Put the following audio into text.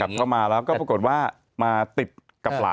เข้ามาแล้วก็ปรากฏว่ามาติดกับหลาน